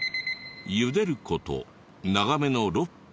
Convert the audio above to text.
ゆでる事長めの６分。